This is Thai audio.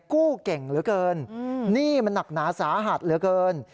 กู้เก่งเหลือเกินหนี้มันหนักหนาสาหัสเหลือเกิน